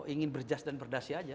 ingin berjas dan berdasi aja